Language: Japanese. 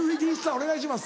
お願いします。